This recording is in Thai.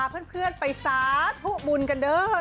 เพื่อนไปสาธุบุญกันเด้อ